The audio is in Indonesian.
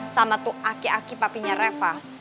sama tuh aki aki papinya reva